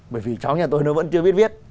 bởi vì cháu nhà tôi nó vẫn chưa biết viết